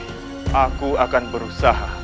saya akan berusaha